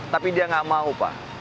tapi dia nggak mau pak